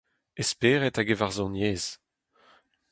E spered hag e varzhoniezh !